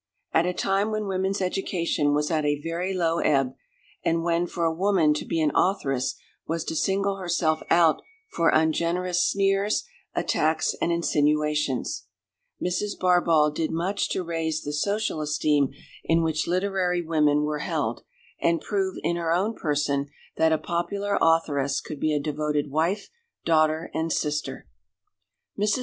At a time when women's education was at a very low ebb, and when for a woman to be an authoress was to single herself out for ungenerous sneers, attacks, and insinuations, Mrs. Barbauld did much to raise the social esteem in which literary women were held, and prove in her own person that a popular authoress could be a devoted wife, daughter, and sister. Mrs.